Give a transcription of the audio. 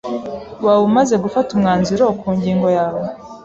Waba umaze gufata umwanzuro ku ngingo yawe?